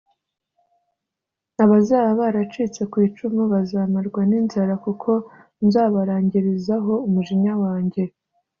Abazaba baracitse ku icumu bazamarwa n’inzara, kuko nzabarangirizaho umujinya wanjye